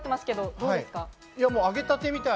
揚げたてみたい。